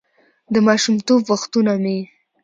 «د ماشومتوب وختونه مې: